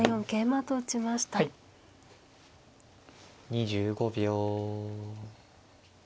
２５秒。